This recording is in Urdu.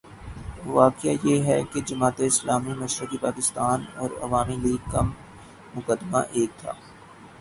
واقعہ یہ ہے کہ جماعت اسلامی مشرقی پاکستان اور عوامی لیگ کا مقدمہ ایک تھا۔